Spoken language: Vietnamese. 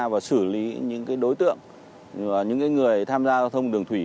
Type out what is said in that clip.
và xử lý những đối tượng những người tham gia giao thông đường thủy